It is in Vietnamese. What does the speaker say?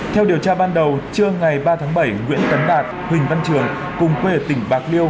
theo điều tra ban đầu trưa ngày ba tháng bảy nguyễn cắn đạt huỳnh văn trường cùng quê ở tỉnh bạc liêu